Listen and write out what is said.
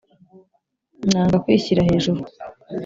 nanga kwishyira hejuru